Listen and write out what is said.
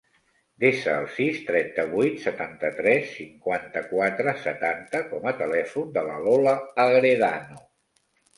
Desa el sis, trenta-vuit, setanta-tres, cinquanta-quatre, setanta com a telèfon de la Lola Agredano.